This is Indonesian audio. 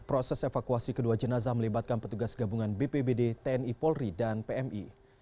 proses evakuasi kedua jenazah melibatkan petugas gabungan bpbd tni polri dan pmi